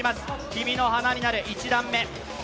「君の花になる」、１段目。